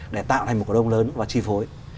để tạo thành một cổ đông lớn và chi phối